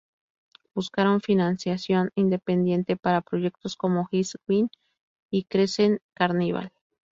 Buscaron financiación independiente para proyectos como "East Wind" y "Crescent Carnival".